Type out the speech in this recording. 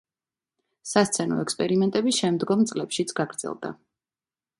სასცენო ექსპერიმენტები შემდგომ წლებშიც გაგრძელდა.